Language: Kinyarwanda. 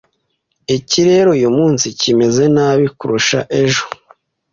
Ikirere uyu munsi kimeze nabi kurusha ejo. .